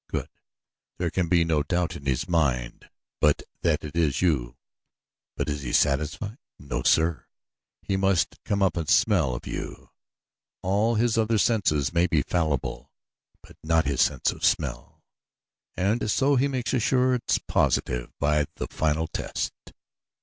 Good, there can be no doubt in his mind but that it is you; but is he satisfied? No, sir he must come up and smell of you. All his other senses may be fallible, but not his sense of smell, and so he makes assurance positive by the final test.